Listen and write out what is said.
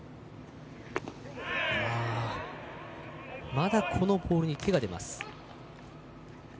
まだこのボールに手が出ます。